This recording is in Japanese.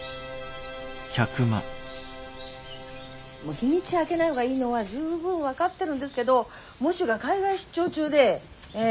日にちあけない方がいいのは十分分かってるんですけど喪主が海外出張中でええ。